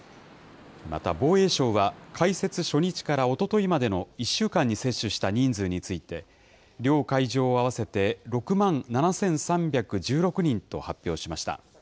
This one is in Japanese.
また、防衛省は開設初日からおとといまでの１週間に接種した人数について、両会場合わせて６万７３１６人と発表しました。